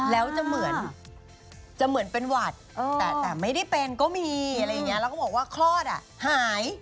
แล้วจะเหมือนจะเหมือนเป็นหวัดแต่ไม่ได้เป็นก็มีอะไรอย่างนี้แล้วก็บอกว่าคลอดอ่ะหาย